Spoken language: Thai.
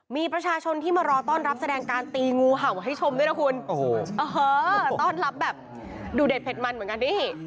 มีประชาชนที่มารอต้อนรับแสดงการตีงูเห่าให้ชมด้วยนะคุณต้อนรับแบบดูเด็ดเผ็ดมันเหมือนกันนี่